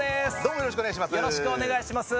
よろしくお願いします。